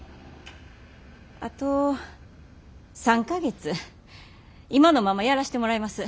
あと３か月今のままやらしてもらいます。